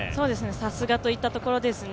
さすがといったところですね。